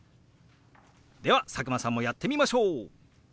では佐久間さんもやってみましょう！